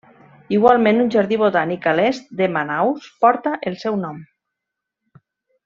Igualment un jardí botànic a l'est de Manaus porta el seu nom.